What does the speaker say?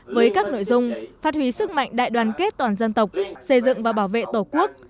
với các nội dung phát huy sức mạnh đại đoàn kết toàn dân tộc xây dựng và bảo vệ tổ quốc